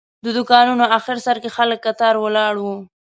د دوکانونو آخر سر کې خلک کتار ولاړ وو.